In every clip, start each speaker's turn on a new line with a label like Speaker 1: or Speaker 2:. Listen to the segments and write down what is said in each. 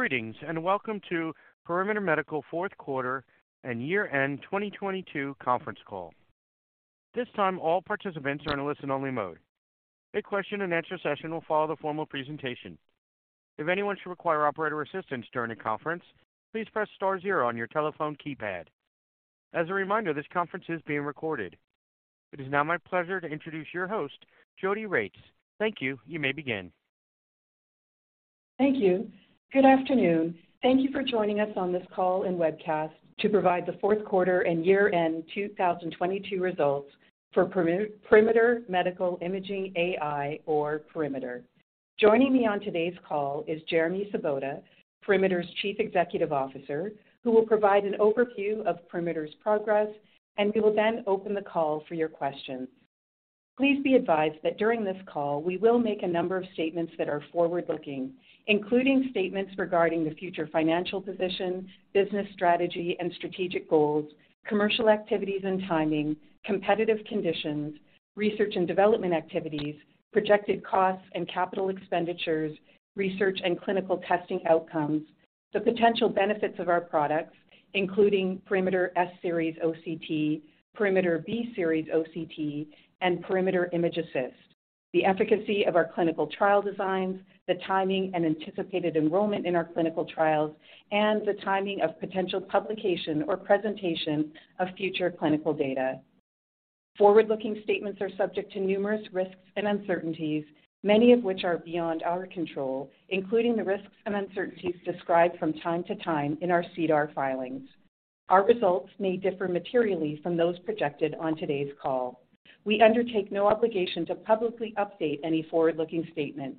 Speaker 1: Greetings, welcome to Perimeter Medical fourth quarter and year-end 2022 conference call. This time, all participants are in a listen-only mode. A question-and-answer session will follow the formal presentation. If anyone should require operator assistance during the conference, please press star zero on your telephone keypad. As a reminder, this conference is being recorded. It is now my pleasure to introduce your host, Jodi Regts. Thank you. You may begin.
Speaker 2: Thank you. Good afternoon. Thank you for joining us on this call and webcast to provide the fourth quarter and year-end 2022 results for Perimeter Medical Imaging AI, or Perimeter. Joining me on today's call is Jeremy Sobotta, Perimeter's Chief Executive Officer, who will provide an overview of Perimeter's progress, and we will then open the call for your questions. Please be advised that during this call, we will make a number of statements that are forward-looking, including statements regarding the future financial position, business strategy and strategic goals, commercial activities and timing, competitive conditions, research and development activities, projected costs and capital expenditures, research and clinical testing outcomes, the potential benefits of our products, including Perimeter S-Series OCT, Perimeter B-Series OCT, and Perimeter ImgAssist, the efficacy of our clinical trial designs, the timing and anticipated enrollment in our clinical trials, and the timing of potential publication or presentation of future clinical data. Forward-looking statements are subject to numerous risks and uncertainties, many of which are beyond our control, including the risks and uncertainties described from time to time in our SEDAR filings. Our results may differ materially from those projected on today's call. We undertake no obligation to publicly update any forward-looking statement.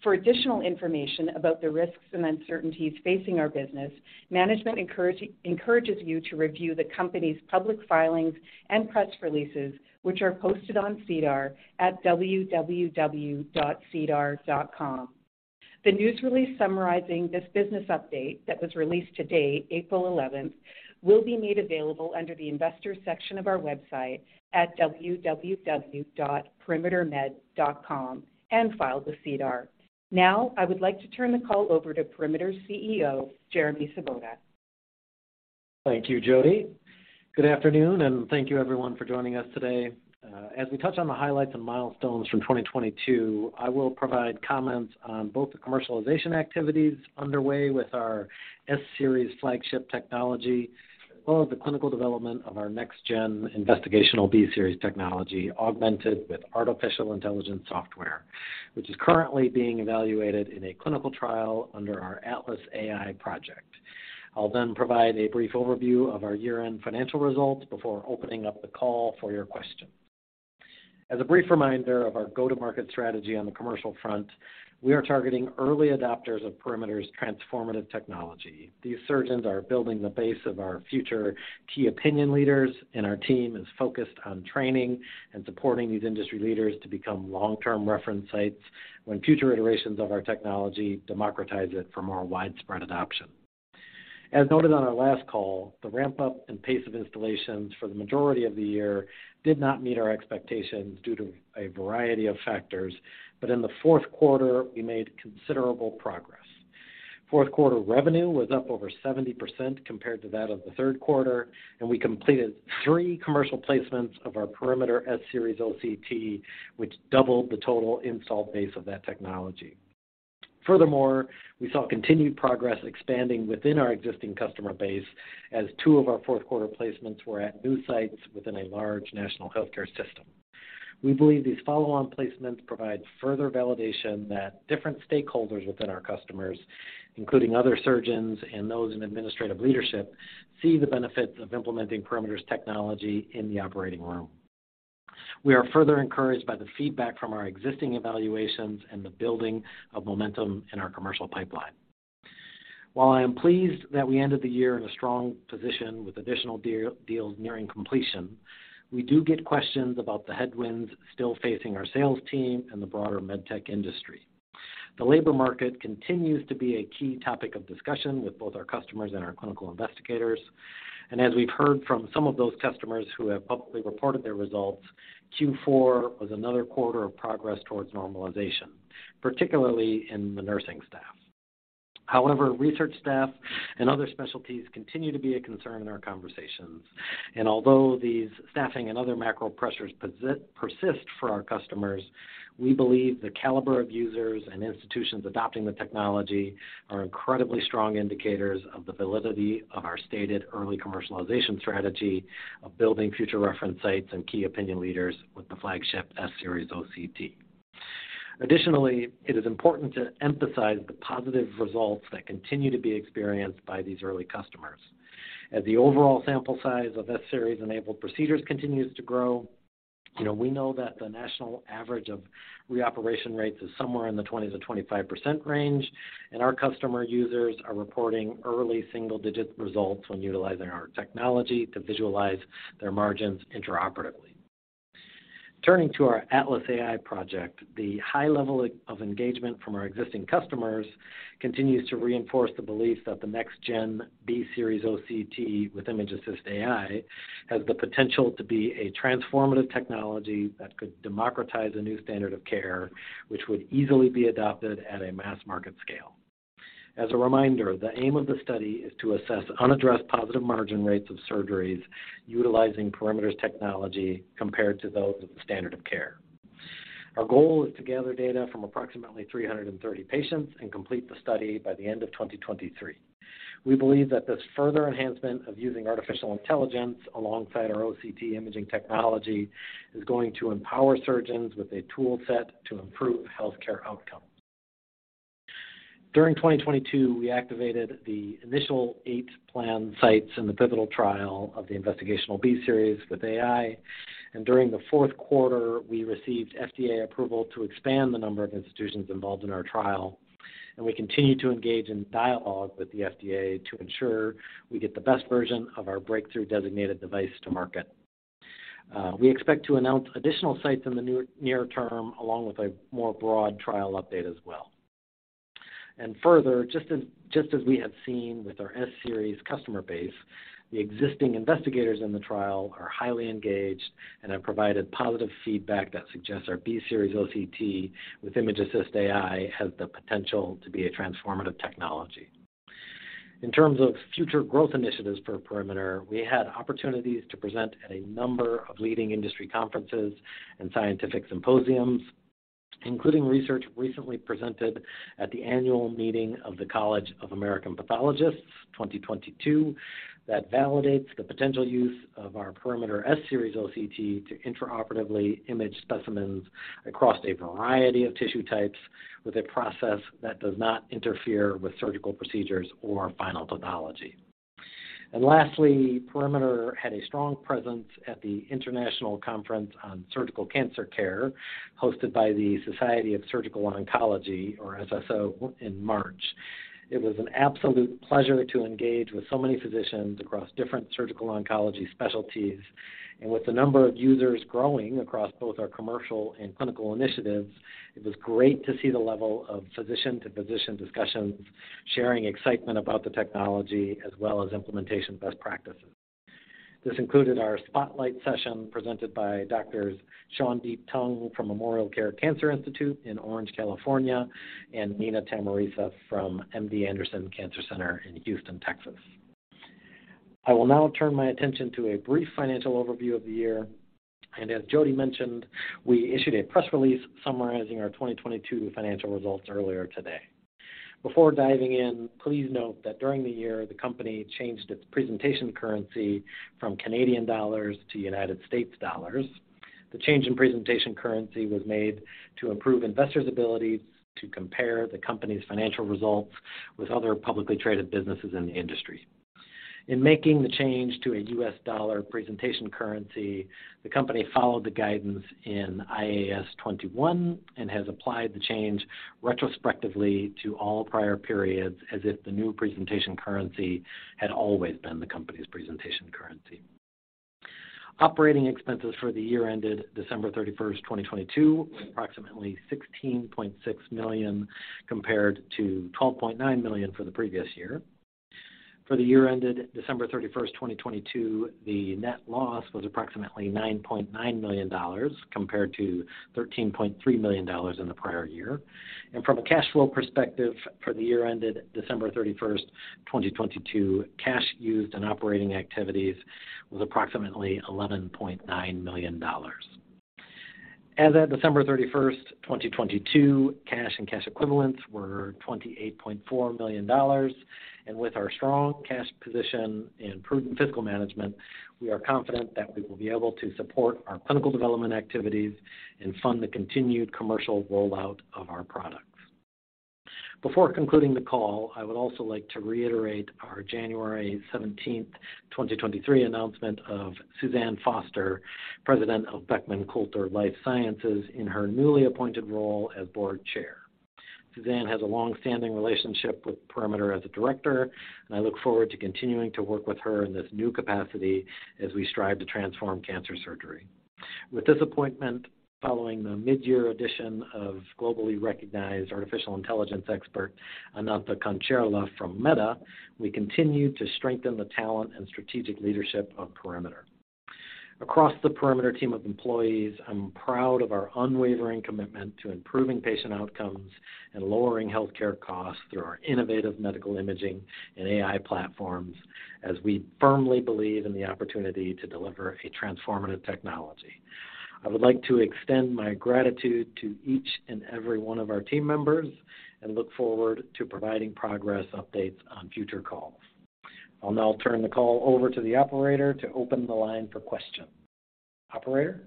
Speaker 2: For additional information about the risks and uncertainties facing our business, management encourages you to review the company's public filings and press releases, which are posted on SEDAR at www.sedar.com. The news release summarizing this business update that was released today, April 11th, will be made available under the Investors section of our website at www.perimetermed.com and filed with SEDAR. I would like to turn the call over to Perimeter's CEO, Jeremy Sobotta.
Speaker 3: Thank you, Jodi. Good afternoon, thank you everyone for joining us today. As we touch on the highlights and milestones from 2022, I will provide comments on both the commercialization activities underway with our S-Series flagship technology, as well as the clinical development of our next-gen investigational B-Series technology augmented with artificial intelligence software, which is currently being evaluated in a clinical trial under our ATLAS AI project. I'll provide a brief overview of our year-end financial results before opening up the call for your questions. As a brief reminder of our go-to-market strategy on the commercial front, we are targeting early adopters of Perimeter's transformative technology. These surgeons are building the base of our future key opinion leaders, our team is focused on training and supporting these industry leaders to become long-term reference sites when future iterations of our technology democratize it for more widespread adoption. As noted on our last call, the ramp-up and pace of installations for the majority of the year did not meet our expectations due to a variety of factors, in the fourth quarter, we made considerable progress. Fourth quarter revenue was up over 70% compared to that of the third quarter, we completed three commercial placements of our Perimeter S-Series OCT, which doubled the total install base of that technology. Furthermore, we saw continued progress expanding within our existing customer base as two of our fourth quarter placements were at new sites within a large national healthcare system. We believe these follow-on placements provide further validation that different stakeholders within our customers, including other surgeons and those in administrative leadership, see the benefits of implementing Perimeter's technology in the operating room. We are further encouraged by the feedback from our existing evaluations and the building of momentum in our commercial pipeline. While I am pleased that we ended the year in a strong position with additional deals nearing completion, we do get questions about the headwinds still facing our sales team and the broader med tech industry. The labor market continues to be a key topic of discussion with both our customers and our clinical investigators. As we've heard from some of those customers who have publicly reported their results, Q4 was another quarter of progress towards normalization, particularly in the nursing staff. However, research staff and other specialties continue to be a concern in our conversations. Although these staffing and other macro pressures persist for our customers, we believe the caliber of users and institutions adopting the technology are incredibly strong indicators of the validity of our stated early commercialization strategy of building future reference sites and key opinion leaders with the flagship S-Series OCT. It is important to emphasize the positive results that continue to be experienced by these early customers. As the overall sample size of S-Series-enabled procedures continues to grow, you know, we know that the national average of reoperation rates is somewhere in the 20%-25% range, and our customer users are reporting early single-digit results when utilizing our technology to visualize their margins intraoperatively. Turning to our ATLAS AI project, the high level of engagement from our existing customers continues to reinforce the belief that the next-gen B-Series OCT with ImgAssist AI has the potential to be a transformative technology that could democratize a new standard of care, which would easily be adopted at a mass market scale. As a reminder, the aim of the study is to assess unaddressed positive margin rates of surgeries utilizing Perimeter's technology compared to those of the standard of care. Our goal is to gather data from approximately 330 patients and complete the study by the end of 2023. We believe that this further enhancement of using artificial intelligence alongside our OCT imaging technology is going to empower surgeons with a toolset to improve healthcare outcomes. During 2022, we activated the initial 8 planned sites in the pivotal trial of the investigational B-Series with AI. During the fourth quarter, we received FDA approval to expand the number of institutions involved in our trial, and we continue to engage in dialogue with the FDA to ensure we get the best version of our breakthrough designated device to market. We expect to announce additional sites in the near term, along with a more broad trial update as well. Further, just as we have seen with our S-Series customer base, the existing investigators in the trial are highly engaged and have provided positive feedback that suggests our B-Series OCT with ImgAssist AI has the potential to be a transformative technology. In terms of future growth initiatives for Perimeter, we had opportunities to present at a number of leading industry conferences and scientific symposiums, including research recently presented at the annual meeting of the College of American Pathologists 2022, that validates the potential use of our Perimeter S-Series OCT to intraoperatively image specimens across a variety of tissue types with a process that does not interfere with surgical procedures or final pathology. Lastly, Perimeter had a strong presence at the International Conference on Surgical Cancer Care, hosted by the Society of Surgical Oncology, or SSO, in March. It was an absolute pleasure to engage with so many physicians across different surgical oncology specialties. With the number of users growing across both our commercial and clinical initiatives, it was great to see the level of physician-to-physician discussions, sharing excitement about the technology, as well as implementation best practices. This included our spotlight session presented by Dr. Shawndeep Tung from MemorialCare Cancer Institute in Orange, California, and Dr. Neema Tamirisa from MD Anderson Cancer Center in Houston, Texas. I will now turn my attention to a brief financial overview of the year. As Jodi mentioned, we issued a press release summarizing our 2022 financial results earlier today. Before diving in, please note that during the year, the company changed its presentation currency from CAD to USD. The change in presentation currency was made to improve investors' ability to compare the company's financial results with other publicly traded businesses in the industry. In making the change to a USD presentation currency, the company followed the guidance in IAS 21 and has applied the change retrospectively to all prior periods as if the new presentation currency had always been the company's presentation currency. Operating expenses for the year ended December 31st, 2022, was approximately $16.6 million compared to $12.9 million for the previous year. For the year ended December 31st, 2022, the net loss was approximately $9.9 million compared to $13.3 million in the prior year. From a cash flow perspective, for the year ended December 31st, 2022, cash used in operating activities was approximately $11.9 million. As of December 31st, 2022, cash and cash equivalents were $28.4 million. With our strong cash position and prudent fiscal management, we are confident that we will be able to support our clinical development activities and fund the continued commercial rollout of our products. Before concluding the call, I would also like to reiterate our January 17, 2023 announcement of Suzanne Foster, President of Beckman Coulter Life Sciences, in her newly appointed role as board chair. Suzanne has a long-standing relationship with Perimeter as a director, and I look forward to continuing to work with her in this new capacity as we strive to transform cancer surgery. With this appointment, following the mid-year addition of globally recognized artificial intelligence expert, Anantha Kancherla from Meta, we continue to strengthen the talent and strategic leadership of Perimeter. Across the Perimeter team of employees, I'm proud of our unwavering commitment to improving patient outcomes and lowering healthcare costs through our innovative medical imaging and AI platforms, as we firmly believe in the opportunity to deliver a transformative technology. I would like to extend my gratitude to each and every one of our team members and look forward to providing progress updates on future calls. I'll now turn the call over to the operator to open the line for questions. Operator?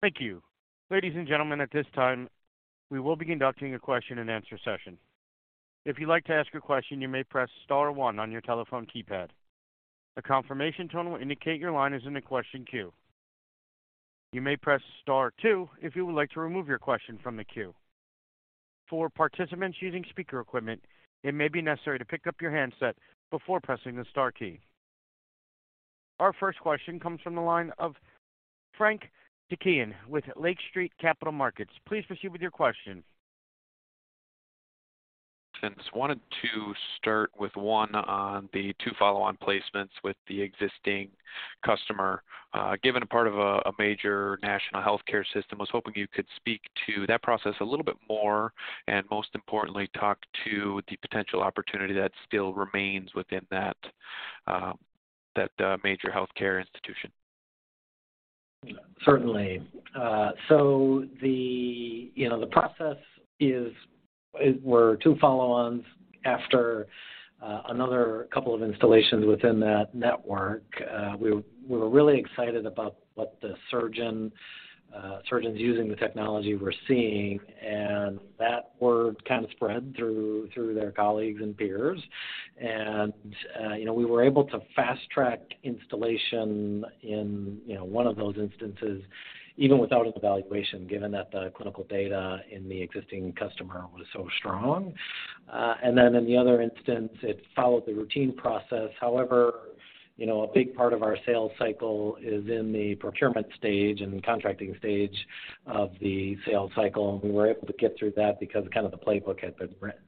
Speaker 1: Thank you. Ladies and gentlemen, at this time, we will be conducting a question-and-answer session. If you'd like to ask a question, you may press star one on your telephone keypad. A confirmation tone will indicate your line is in the question queue. You may press star two if you would like to remove your question from the queue. For participants using speaker equipment, it may be necessary to pick up your handset before pressing the star key. Our first question comes from the line of Frank Takkinen with Lake Street Capital Markets. Please proceed with your question.
Speaker 4: Wanted to start with one on the two follow-on placements with the existing customer. Given a part of a major national healthcare system, I was hoping you could speak to that process a little bit more, and most importantly, talk to the potential opportunity that still remains within that. That, major healthcare institution.
Speaker 3: Certainly. So the, you know, the process were 2 follow-ons after another couple of installations within that network. We were really excited about what the surgeon, surgeons using the technology were seeing, and that word kind of spread through their colleagues and peers. You know, we were able to fast-track installation in, you know, 1 of those instances, even without an evaluation, given that the clinical data in the existing customer was so strong. In the other instance, it followed the routine process. However, you know, a big part of our sales cycle is in the procurement stage and the contracting stage of the sales cycle. We were able to get through that because kind of the playbook had been written.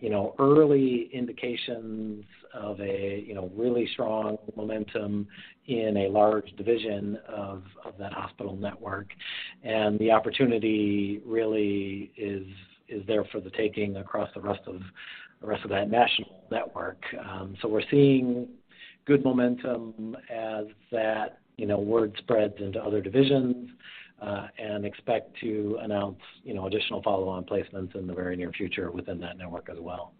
Speaker 3: You know, early indications of a, you know, really strong momentum in a large division of that hospital network. The opportunity really is there for the taking across the rest of that national network. We're seeing good momentum as that, you know, word spreads into other divisions, and expect to announce, you know, additional follow-on placements in the very near future within that network as well.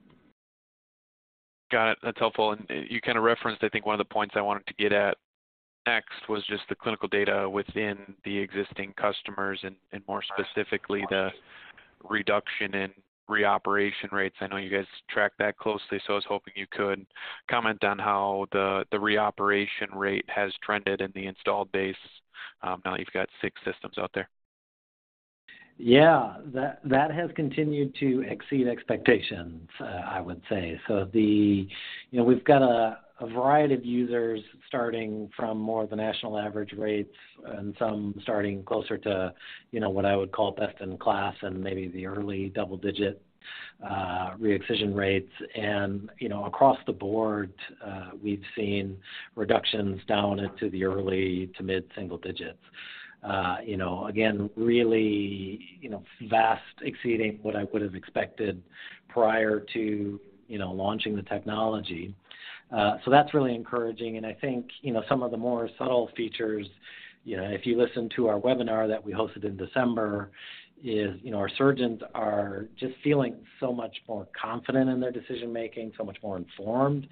Speaker 4: Got it. That's helpful. You kinda referenced, I think, one of the points I wanted to get at next, was just the clinical data within the existing customers and more specifically, the reduction in reoperation rates. I know you guys track that closely, so I was hoping you could comment on how the reoperation rate has trended in the installed base, now that you've got six systems out there.
Speaker 3: That has continued to exceed expectations, I would say. You know, we've got a variety of users starting from more of the national average rates and some starting closer to, you know, what I would call best in class and maybe the early double-digit re-excision rates. You know, across the board, we've seen reductions down into the early to mid-single digits. You know, again, really, vast exceeding what I would have expected prior to, launching the technology. That's really encouraging. I think, you know, some of the more subtle features, you know, if you listen to our webinar that we hosted in December, is, you know, our surgeons are just feeling so much more confident in their decision-making, so much more informed.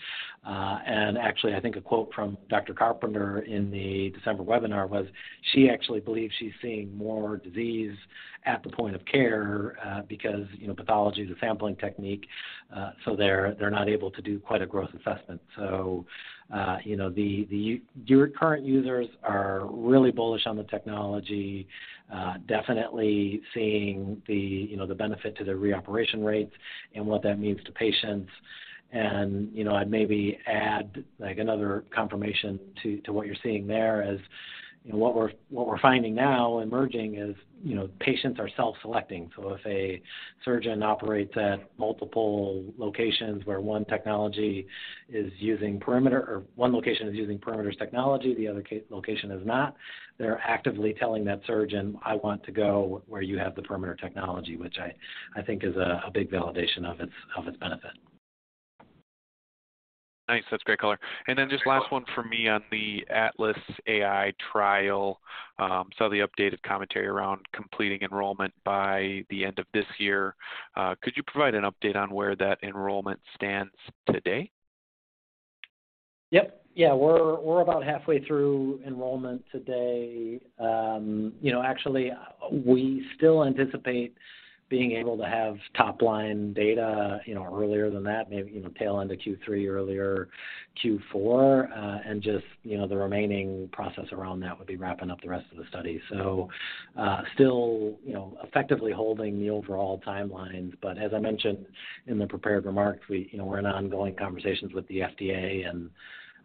Speaker 3: Actually, I think a quote from Dr. Carpenter in the December webinar was, she actually believes she's seeing more disease at the point of care, because, you know, pathology is a sampling technique, so they're not able to do quite a growth assessment. You know, the, your current users are really bullish on the technology, definitely seeing the, you know, the benefit to their reoperation rates and what that means to patients. You know, I'd maybe add, like, another confirmation to what you're seeing there as, you know, what we're finding now emerging is, you know, patients are self-selecting. If a surgeon operates at multiple locations where one location is using Perimeter's technology, the other location is not, they're actively telling that surgeon, "I want to go where you have the Perimeter technology," which I think is a big validation of its benefit.
Speaker 4: Nice. That's great color. Just last one for me on the ATLAS AI trial. Saw the updated commentary around completing enrollment by the end of this year. Could you provide an update on where that enrollment stands today?
Speaker 3: Yep. Yeah. We're about halfway through enrollment today. You know, actually we still anticipate being able to have top-line data, you know, earlier than that, maybe, you know, tail end of Q3, earlier Q4. Just, you know, the remaining process around that would be wrapping up the rest of the study. Still, you know, effectively holding the overall timelines. As I mentioned in the prepared remarks, we, you know, we're in ongoing conversations with the FDA and, you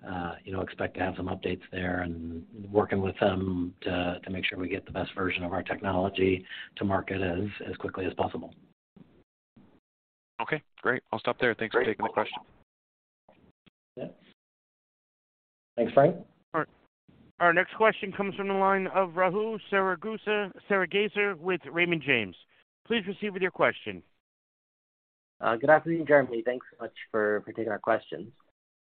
Speaker 3: know, expect to have some updates there and working with them to make sure we get the best version of our technology to market as quickly as possible.
Speaker 4: Okay, great. I'll stop there. Thanks for taking the question.
Speaker 3: Thanks, Frank.
Speaker 1: All right. Our next question comes from the line of Rahul Sarugaser with Raymond James. Please proceed with your question.
Speaker 5: Good afternoon, Jeremy. Thanks so much for taking our questions.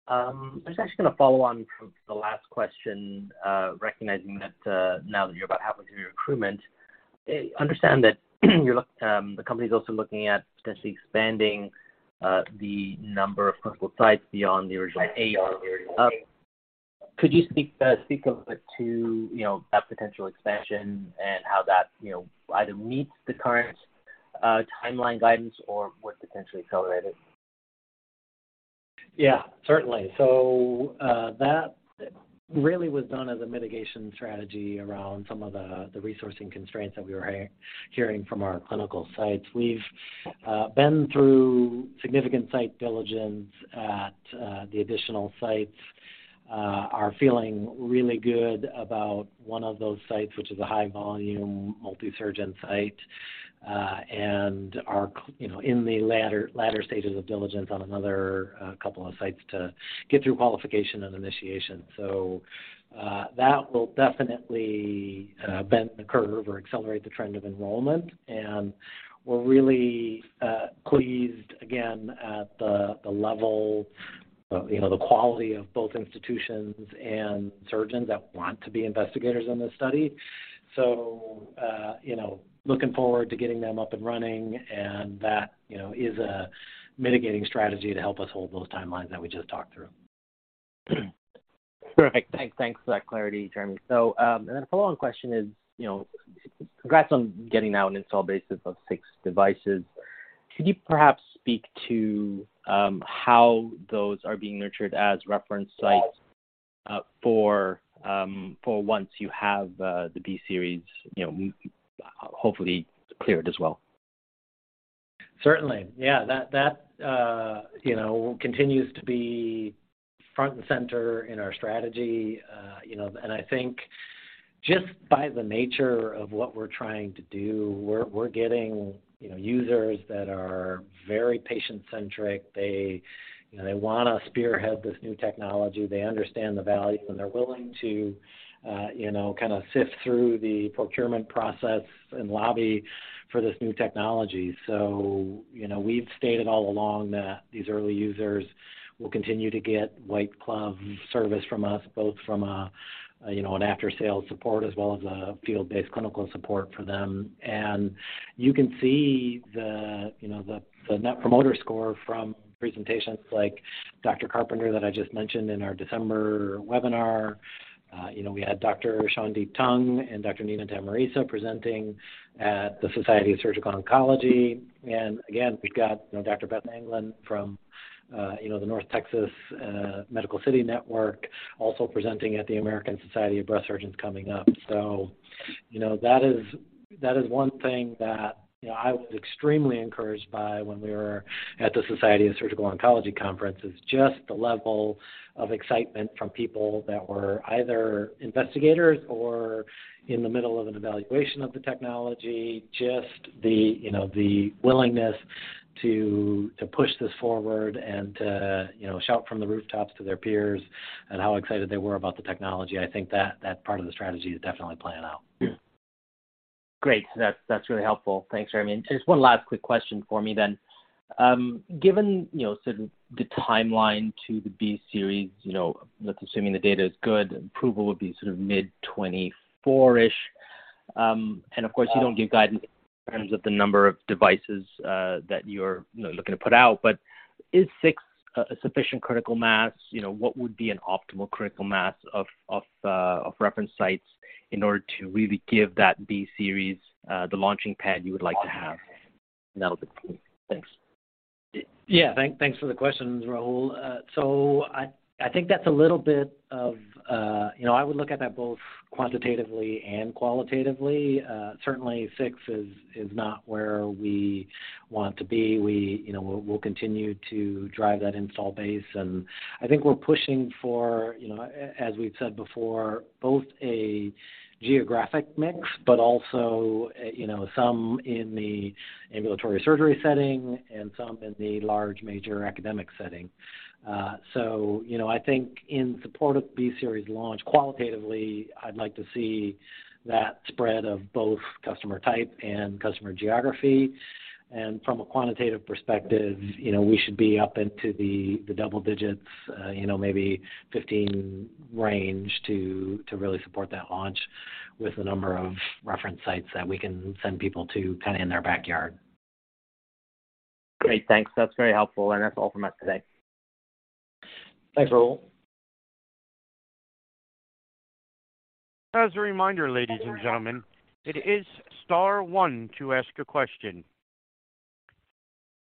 Speaker 5: I was actually gonna follow on from the last question, recognizing that now that you're about halfway through your recruitment, I understand that you're the company's also looking at potentially expanding the number of clinical sites beyond the original eight. Could you speak a bit to, you know, that potential expansion and how that, you know, either meets the current timeline guidance or would potentially accelerate it?
Speaker 3: Yeah, certainly. That really was done as a mitigation strategy around some of the resourcing constraints that we were hearing from our clinical sites. We've been through significant site diligence at the additional sites. Are feeling really good about 1 of those sites, which is a high volume, multi-surgeon site, and are you know, in the latter stages of diligence on another 2 sites to get through qualification and initiation. That will definitely bend the curve or accelerate the trend of enrollment. We're really pleased again at the level, you know, the quality of both institutions and surgeons that want to be investigators on this study. you know, looking forward to getting them up and running, and that, you know, is a mitigating strategy to help us hold those timelines that we just talked through.
Speaker 5: Perfect. Thanks, thanks for that clarity, Jeremy. And then a follow-on question is, you know, congrats on getting now an install base of six devices. Could you perhaps speak to how those are being nurtured as reference sites for once you have the B-Series, you know, hopefully cleared as well?
Speaker 3: Certainly. Yeah. That, you know, continues to be front and center in our strategy. You know, I think just by the nature of what we're trying to do, we're getting, you know, users that are very patient-centric. They, you know, they wanna spearhead this new technology. They understand the value, and they're willing to, you know, kinda sift through the procurement process and lobby for this new technology. You know, we've stated all along that these early users will continue to get white glove service from us, both from a, you know, an after-sales support as well as a field-based clinical support for them. You can see the, you know, the Net Promoter Score from presentations like Dr. Carpenter that I just mentioned in our December webinar. You know, we had Dr. Shawndeep Tung and Dr. Neema Tamirisa presenting at the Society of Surgical Oncology. Again, we've got, you know, Dr. Beth Anglin from, you know, the North Texas, Medical City Healthcare also presenting at the American Society of Breast Surgeons coming up. You know, that is one thing that, you know, I was extremely encouraged by when we were at the Society of Surgical Oncology conference, is just the level of excitement from people that were either investigators or in the middle of an evaluation of the technology. Just the, you know, the willingness to push this forward and to, you know, shout from the rooftops to their peers on how excited they were about the technology. I think that part of the strategy is definitely playing out.
Speaker 5: Great. That's really helpful. Thanks, Jeremy. Just one last quick question for me then. Given, you know, sort of the timeline to the B-Series, you know, let's assuming the data is good, approval would be sort of mid-2024-ish. Of course you don't give guidance in terms of the number of devices, that you're, you know, looking to put out, but is six a sufficient critical mass? You know, what would be an optimal critical mass of reference sites in order to really give that B-Series the launching pad you would like to have? That'll be it. Thanks.
Speaker 3: Yeah. Thanks for the questions, Rahul. I think that's a little bit of. You know, I would look at that both quantitatively and qualitatively. Certainly six is not where we want to be. We'll continue to drive that install base, and I think we're pushing for, you know, as we've said before, both a geographic mix but also, you know, some in the ambulatory surgery setting and some in the large major academic setting. You know, I think in support of B-Series launch qualitatively, I'd like to see that spread of both customer type and customer geography. From a quantitative perspective, you know, we should be up into the double digits, you know, maybe 15 range to really support that launch with the number of reference sites that we can send people to kinda in their backyard.
Speaker 5: Great. Thanks. That's very helpful. That's all from us today.
Speaker 3: Thanks, Rahul.
Speaker 1: As a reminder, ladies and gentlemen, it is star one to ask a question.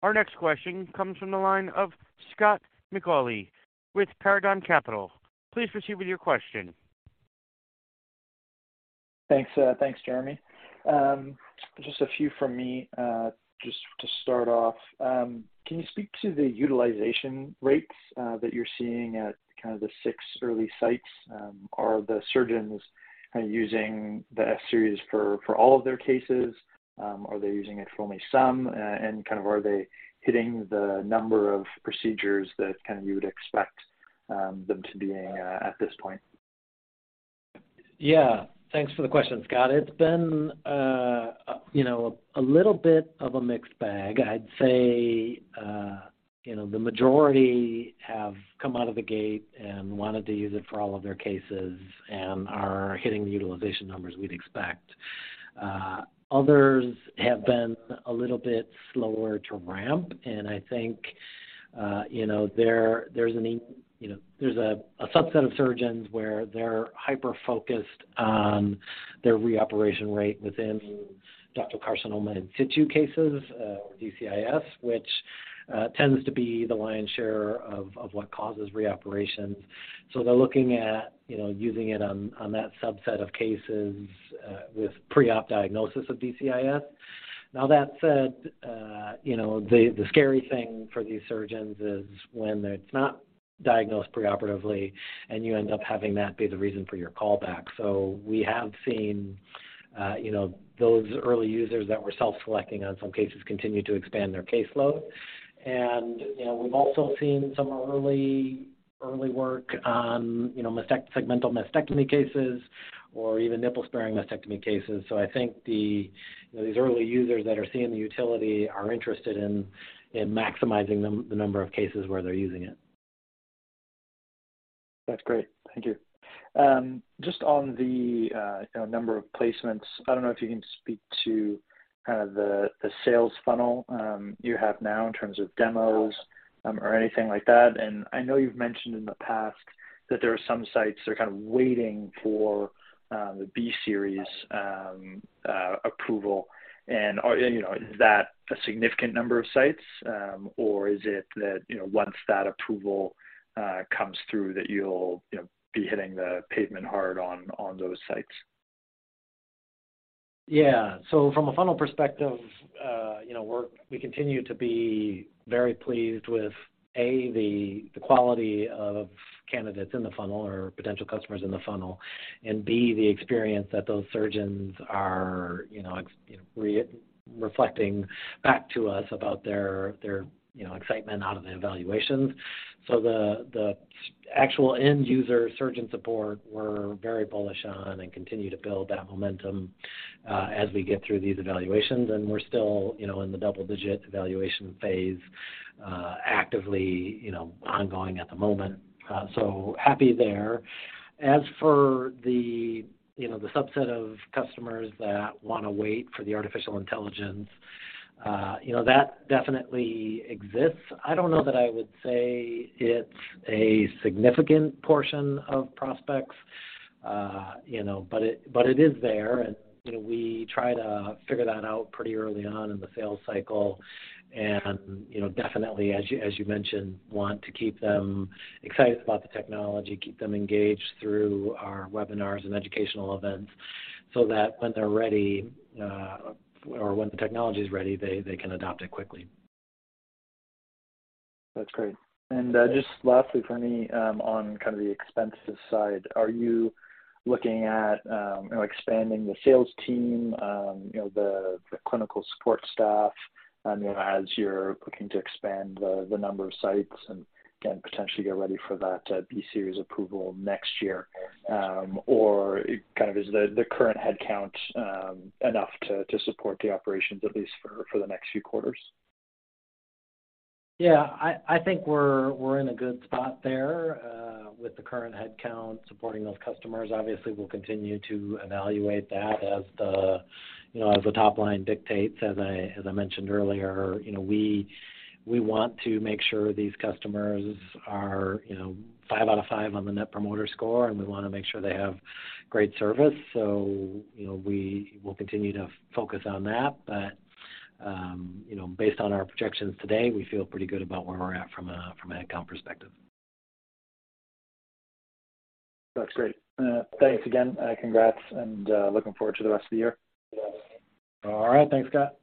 Speaker 1: Our next question comes from the line of Scott McAuley with Paradigm Capital. Please proceed with your question.
Speaker 6: Thanks. Thanks, Jeremy. Just a few from me. Just to start off, can you speak to the utilization rates that you're seeing at kind of the 6 early sites? Are the surgeons using the S-Series for all of their cases? Are they using it for only some? And kind of are they hitting the number of procedures that kind of you would expect them to be at this point?
Speaker 3: Yeah. Thanks for the question, Scott. It's been, you know, a little bit of a mixed bag. I'd say, you know, the majority have come out of the gate and wanted to use it for all of their cases and are hitting the utilization numbers we'd expect. Others have been a little bit slower to ramp, and I think, you know, there's a subset of surgeons where they're hyper-focused on their reoperation rate within ductal carcinoma in situ cases, or DCIS, which tends to be the lion's share of what causes reoperation. They're looking at, you know, using it on that subset of cases with preop diagnosis of DCIS. That said, you know, the scary thing for these surgeons is when it's not diagnosed preoperatively and you end up having that be the reason for your callback. We have seen, you know, those early users that were self-selecting on some cases continue to expand their caseload. You know, we've also seen some early work on, you know, segmental mastectomy cases or even nipple-sparing mastectomy cases. I think the, you know, these early users that are seeing the utility are interested in maximizing the number of cases where they're using it.
Speaker 6: That's great. Thank you. Just on the, you know, number of placements, I don't know if you can speak to kind of the sales funnel, you have now in terms of demos, or anything like that. I know you've mentioned in the past that there are some sites that are kind of waiting for the B-Series approval. Is that a significant number of sites? Or is it that, you know, once that approval comes through that you'll, you know, be hitting the pavement hard on those sites?
Speaker 3: From a funnel perspective, you know, we continue to be very pleased with, A, the quality of candidates in the funnel or potential customers in the funnel, and B, the experience that those surgeons are, you know, reflecting back to us about their, you know, excitement out of the evaluations. The actual end user surgeon support, we're very bullish on and continue to build that momentum as we get through these evaluations. We're still, you know, in the double-digit evaluation phase, actively, you know, ongoing at the moment, so happy there. As for the, you know, the subset of customers that wanna wait for the artificial intelligence, you know, that definitely exists. I don't know that I would say it's a significant portion of prospects, you know. It is there, you know, we try to figure that out pretty early on in the sales cycle. You know, definitely as you mentioned, want to keep them excited about the technology, keep them engaged through our webinars and educational events so that when they're ready, or when the technology is ready, they can adopt it quickly.
Speaker 6: That's great. Just lastly for me, on kind of the expenses side, are you looking at, you know, expanding the sales team, you know, the clinical support staff, you know, as you're looking to expand the number of sites and again potentially get ready for that B-Series approval next year? Or kind of is the current headcount enough to support the operations at least for the next few quarters?
Speaker 3: Yeah. I think we're in a good spot there, with the current headcount supporting those customers. Obviously, we'll continue to evaluate that as the top line dictates. As I mentioned earlier, you know, we want to make sure these customers are, you know, 5 out of 5 on the Net Promoter Score, and we wanna make sure they have great service. We will continue to focus on that. Based on our projections today, we feel pretty good about where we're at from a headcount perspective.
Speaker 6: That's great. Thanks again, congrats, and looking forward to the rest of the year.
Speaker 3: Yeah.
Speaker 6: All right. Thanks, Scott.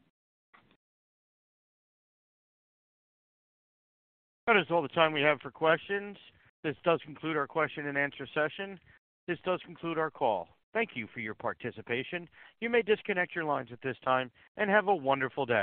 Speaker 1: That is all the time we have for questions. This does conclude our question-and-answer session. This does conclude our call. Thank you for your participation. You may disconnect your lines at this time, and have a wonderful day.